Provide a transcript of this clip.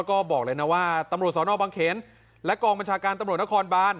ก็บอกเลยนะว่าตำรวจสนบังเขนและกองบัญชาการตำรวจนครบาน